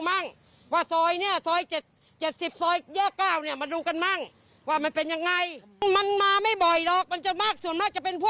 แล้วป้ากับแก่แล้วก็กลัวดิ่งเพราะว่าตี๔๕ป้าจะออกหาพติกแล้ว